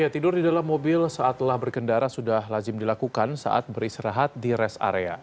tidur di dalam mobil saat telah berkendara sudah lazim dilakukan saat beristirahat di rest area